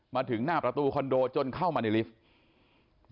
มาถึงหน้าประตูคอนโดจนเข้ามาในลิฟท์